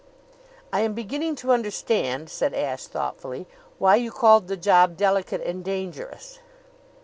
"I am beginning to understand," said Ashe thoughtfully, "why you called the job delicate and dangerous."